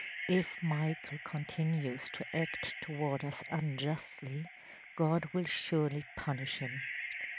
If Michael continues to act toward us unjustly God will surely punish him.